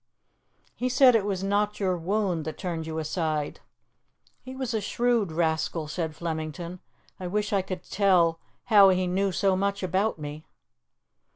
"He said it was not your wound that turned you aside." "He was a shrewd rascal," said Flemington. "I wish I could tell how he knew so much about me."